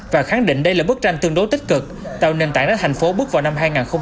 và khẳng định đây là bức tranh tương đối tích cực tạo nền tảng để thành phố bước vào năm hai nghìn hai mươi